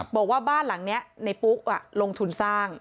บอกว่าบ้านหลังนี้ในปุ๊กลงทุนสร้าง